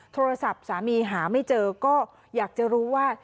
โทรศัพท์สามีหาไม่เจอก็อยากจะรู้ว่า